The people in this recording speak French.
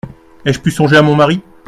Ai-je pu songer à mon mari ?